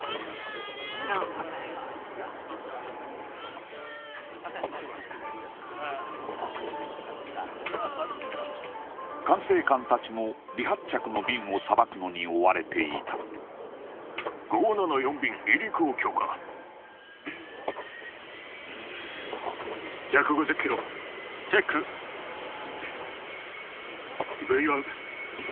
どうも管制官達も離発着の便をさばくのに追われていた５７４便離陸を許可１５０キロチェックＶ１